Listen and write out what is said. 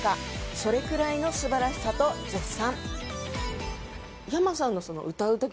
それくらいの素晴らしさと絶賛。